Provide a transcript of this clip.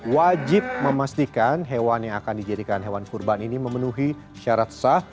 wajib memastikan hewan yang akan dijadikan hewan kurban ini memenuhi syarat sah